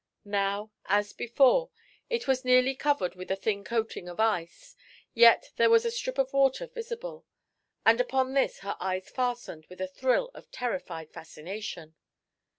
Now, as before, it was nearly covered with a thin coating of ice, yet there was a strip of water visible, and upon this her eyes fastened with a thrill of terrified fascination.